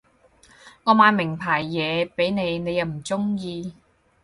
我買名牌嘢畀你你又唔中意